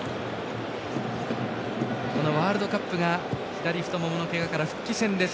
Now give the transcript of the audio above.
このワールドカップが左太もものけがから復帰戦です。